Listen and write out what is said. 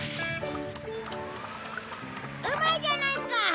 うまいじゃないか。